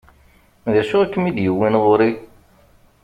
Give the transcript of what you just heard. D acu i kem-id-yewwin ɣur-i?